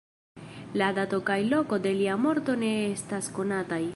La dato kaj loko de lia morto ne estas konataj.